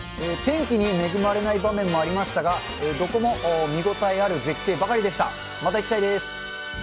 天気に恵まれない場面もありましたが、どこも見応えある絶景ばかりでした。